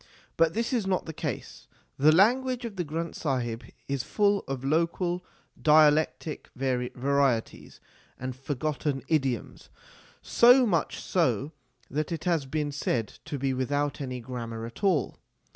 But this is not the case. The language of the Granth Sahib is full of local dialectic varieties and forgotten idioms, so much so that it has been said to be without any grammar at all.